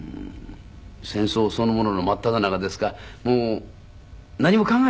戦争そのものの真っただ中ですからもう何も考える暇ありませんね。